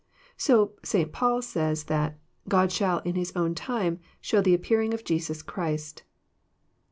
") So St. Paul says that " God shall in His own time shew the appearing of Jesus Christ."